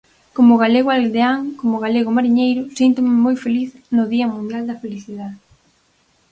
Como galego aldeán, como galego mariñeiro, síntome moi feliz no Día Mundial da Felicidade.